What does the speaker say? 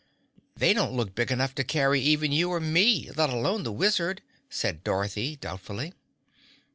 "They don't look big enough to carry even you or me, let alone the Wizard," said Dorothy doubtfully.